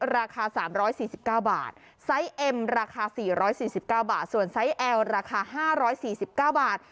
ราคา๔๔๙บาทส่วนไซต์แอลล์ราคา๕๔๙บาท